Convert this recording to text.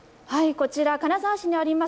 こちら、金沢市にあります